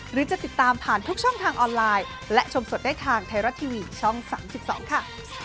หรือจะติดตามผ่านทุกช่องทางออนไลน์และชมสดได้ทางไทยรัฐทีวีช่อง๓๒ค่ะ